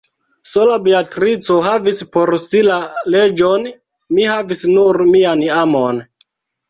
Sola Beatrico havis por si la leĝon; mi havis nur mian amon.